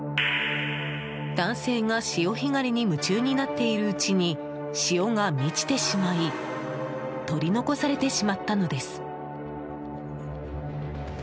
男性が潮干狩りに夢中になっているうちに潮が満ちてしまい取り残されてしまったのです。